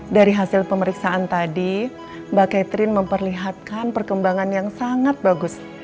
dari hasil pemeriksaan tadi mbak catherine memperlihatkan perkembangan yang sangat bagus